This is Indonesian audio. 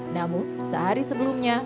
namun sehari sebelumnya